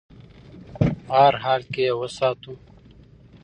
په هر حال کې یې وساتو.